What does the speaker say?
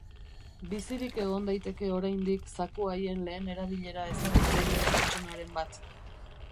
Bizirik egon daiteke oraindik zaku haien lehen erabilera ezagutzen duen pertsonaren bat.